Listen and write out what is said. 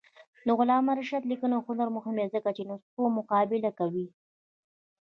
د علامه رشاد لیکنی هنر مهم دی ځکه چې نسخو مقابله کوي.